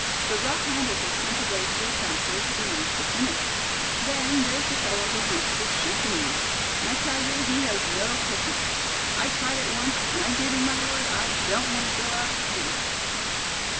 The rough handles are sent away to a factory to be nicely finished. Then there's the fellow who hunts for ship knees; and I tell you he has no picnic. I tried it once, and I give you my word I don't want to go out again."